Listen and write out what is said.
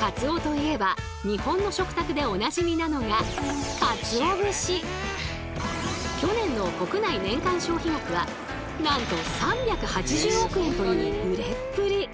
カツオといえば日本の食卓でおなじみなのが去年の国内年間消費額はなんと３８０億円という売れっぷり！